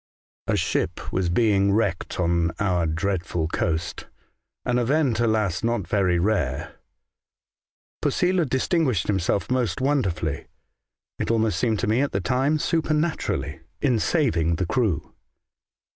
*' A ship was being wrecked on our dreadful coast — an event, alas, not very rare. Posela dis tinguished himself most wonderfully — it almost seemed to me at the time supernaturally — in saving the crew.